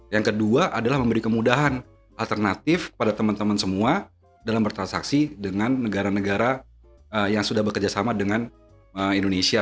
yang kedua adalah memberi kemudahan alternatif pada teman teman semua dalam bertransaksi dengan negara negara yang sudah bekerjasama dengan indonesia